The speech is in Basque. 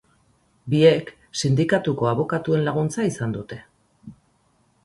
Biek sindikatuko abokatuen laguntza izan dute.